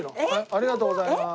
ありがとうございます。